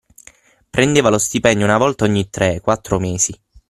Prendeva lo stipendio una volta ogni tre, quattro mesi.